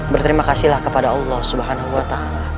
berterima kasihlah kepada allah swt